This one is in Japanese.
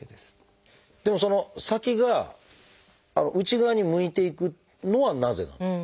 でもその先が内側に向いていくのはなぜ？